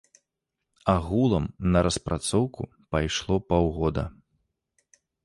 Агулам на распрацоўку пайшло паўгода.